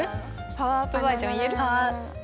パワーアップバージョン。